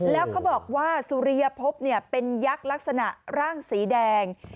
แล้วเขาบอกว่าสุริยภพเป็นยักษ์ลักษณะร่างสีแดง